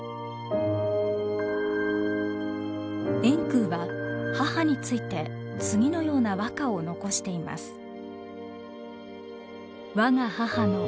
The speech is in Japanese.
円空は母について次のような和歌を残しています。